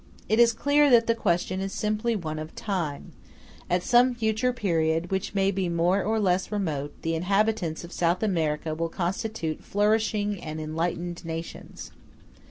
It is clear that the question is simply one of time; at some future period, which may be more or less remote, the inhabitants of South America will constitute flourishing and enlightened nations.